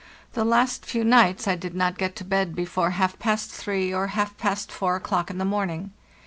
The last few nights I did not get to bed before half past three or half past four o'clock in the morning.